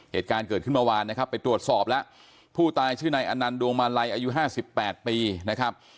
เหตุการณ์เกิดขึ้นเมื่อวานนะครับไปตรวจสอบแล้วผู้ตายชื่อนายอนันต์ดวงมาลัยอายุ๕๘ปีนะครับ